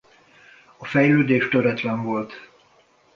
A fejlődés töretlen volt.